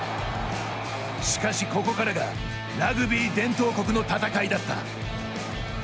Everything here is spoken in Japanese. しかし、ここからがラグビー伝統国の戦いだった。